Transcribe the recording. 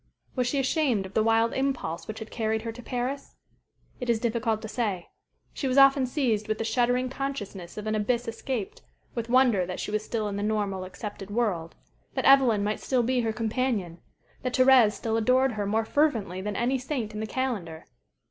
Was she ashamed of the wild impulse which had carried her to Paris? It is difficult to say. She was often seized with the shuddering consciousness of an abyss escaped, with wonder that she was still in the normal, accepted world, that Evelyn might still be her companion, that Thérèse still adored her more fervently than any saint in the calendar.